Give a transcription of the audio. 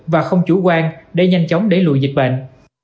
và không chủ quan để nhanh chóng đẩy lùi dịch bệnh